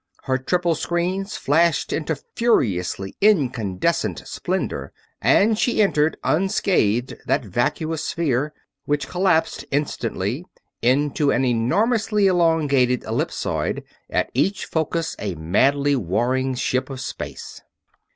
Her triple screens flashed into furiously incandescent splendor and she entered unscathed that vacuous sphere, which collapsed instantly into an enormously elongated ellipsoid, at each focus a madly warring ship of space.